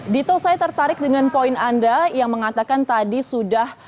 dito saya tertarik dengan poin anda yang mengatakan tadi sudah